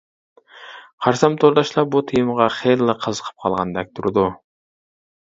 قارىسام تورداشلار بۇ تېمىغا خېلىلا قىزىقىپ قالغاندەك تۇرىدۇ.